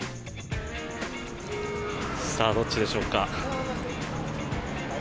さあ、どっちでしょうか。